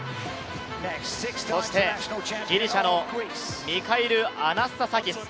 ギリシャのミカイル・アナスタサキス。